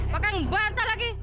maka yang bantar lagi